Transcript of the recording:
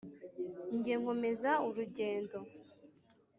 Jye nkomeza urugendo